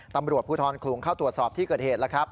ตำรวจภูทรขลุงเข้าตรวจสอบที่เกิดเหตุแล้วครับ